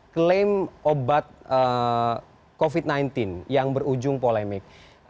klaim obat covid sembilan belas yang berujung polemik